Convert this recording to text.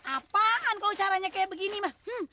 apaan kalau caranya kayak begini mak